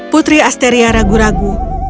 putri asteria ragu ragu